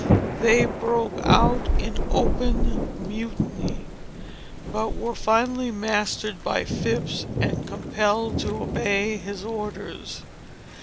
They broke out in open mutiny, but were finally mastered by Phips, and compelled to obey his orders.